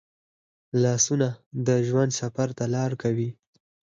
لاسونه د ژوند سفر ته لار کوي